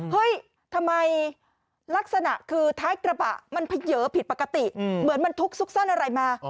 เฮ้ยทำไมลักษณะคือท้ายกระบะมันเผยผิดปกติเหมือนมันทุกข์ซุกซ่อนอะไรมา